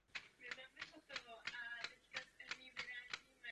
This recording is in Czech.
Nicméně jsou zde nejméně dva body, které vyžadují naši opatrnost.